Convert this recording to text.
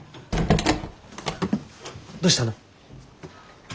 どうしたの？